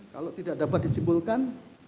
kalau tidak dapat disimpulkan